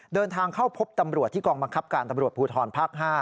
เดินทางเข้าพบตำรวจที่กองบังคับการตำรวจภูทรภาค๕